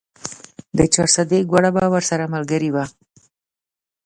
د چارسدې ګوړه به ورسره ملګرې وه.